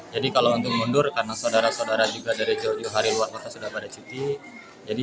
kalau untuk mundur karena saudara saudara juga dari jauh jauh hari luar kota sudah pada cuti